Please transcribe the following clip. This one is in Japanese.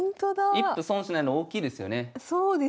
一歩損しないの大きいですよね。